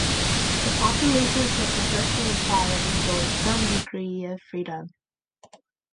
The populations of the Persian Empire enjoyed some degree of freedom.